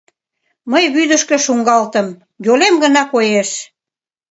Мый вӱдышкӧ шуҥгалтым... йолем гына коеш.